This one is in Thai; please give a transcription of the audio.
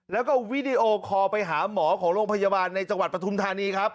แล้วก็วิดีโอคอลไปหาหมอของโรงพยาบาลในจังหวัดปฐุมธานีครับ